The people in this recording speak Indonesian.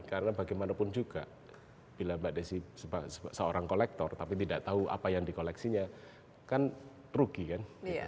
karena bagaimanapun juga bila mbak desi seorang kolektor tapi tidak tahu apa yang di koleksinya kan rugi kan